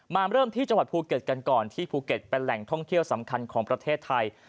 มาเริ่มที่จังหวัดภูเก็ตกันก่อนที่ภูเก็ตเป็นแหล่งท่องเที่ยวสำคัญของประเทศไทย